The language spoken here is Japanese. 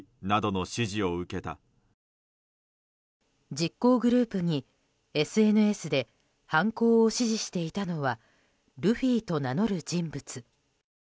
実行グループにＳＮＳで犯行を指示していたのはルフィと名乗る人物。